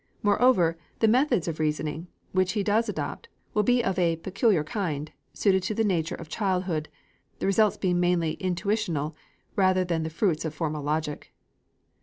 Moreover, the methods of reasoning, which he does adopt, will be of a peculiar kind, suited to the nature of childhood, the results being mainly intuitional, rather than the fruits of formal logic.